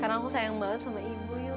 karena aku sayang banget sama ibu yul